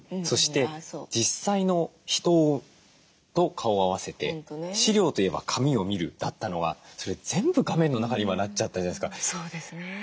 そして実際の人と顔を合わせて資料といえば紙を見るだったのがそれ全部画面の中に今なっちゃったじゃないですか。